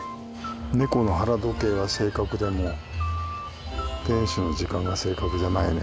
ネコの腹時計は正確でも店主の時間が正確じゃないね。